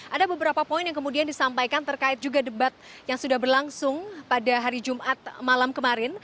ada beberapa poin yang kemudian disampaikan terkait juga debat yang sudah berlangsung pada hari jumat malam kemarin